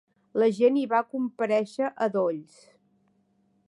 La gent hi va comparèixer a dolls.